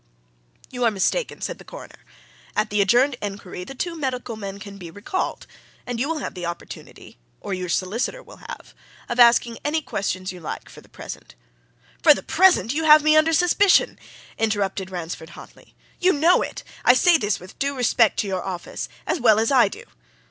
"You are mistaken," said the Coroner. "At the adjourned inquiry, the two medical men can be recalled, and you will have the opportunity or your solicitor will have of asking any questions you like for the present " "For the present you have me under suspicion!" interrupted Ransford hotly. "You know it I say this with due respect to your office as well as I do.